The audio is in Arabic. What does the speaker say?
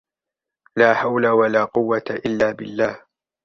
لا حول ولا قوة الا بالله